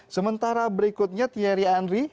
sementara berikutnya thierry henry